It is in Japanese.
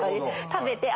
食べてあ